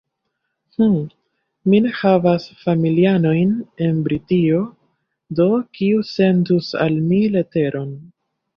Hm, mi ne havas familianojn en Britio, do kiu sendus al mi leteron?